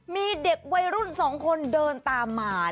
มีเด็กวัยรุ่น๒คนเดินตามมา